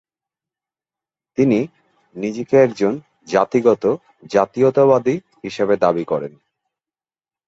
তিনি নিজেকে একজন জাতিগত জাতীয়তাবাদী হিসেবে দাবি করেন।